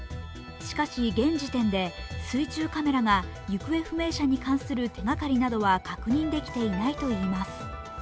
しかし、現時点で水中カメラが行方不明者に関する手がかりなどは確認できていないといいます。